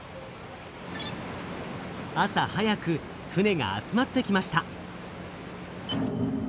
朝早く船が集まってきました。